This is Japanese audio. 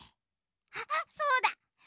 あっそうだ！